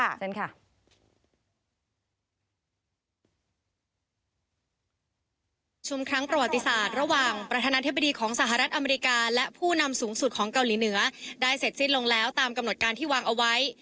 เชิญค่ะประวัติศาสตร์ระหว่างประธานาธิบดีของสหรัฐอเมริกาและผู้นำสูงสุดของเกาหลีเหนือได้เสร็จสิ้นลงแล้วตามกำหนดการที่วางเอาไว้